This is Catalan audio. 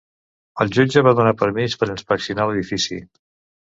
El jutge va donar permís per inspeccionar l'edifici.